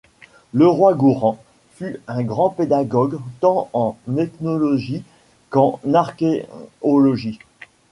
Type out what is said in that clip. Leroi-Gourhan fut un grand pédagogue tant en ethnologie qu'en archéologie.